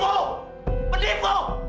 t dewi penipu